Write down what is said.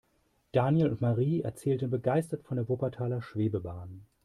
Daniel und Marie erzählten begeistert von der Wuppertaler Schwebebahn.